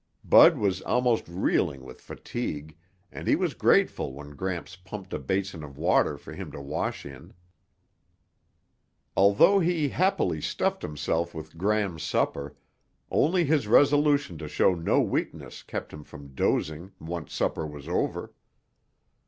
Bud was almost reeling with fatigue and he was grateful when Gramps pumped a basin of water for him to wash in. Although he happily stuffed himself with Gram's supper, only his resolution to show no weakness kept him from dozing once supper was over.